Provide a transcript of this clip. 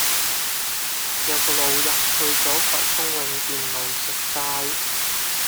有個老人去左葵涌永建路食齋